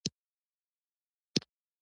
چا د اجماع په اړه څه نه ویل